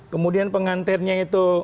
kemudian pengantannya itu